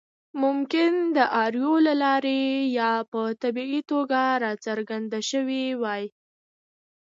ممکن د رایو له لارې یا په طبیعي توګه راڅرګند شوی وي.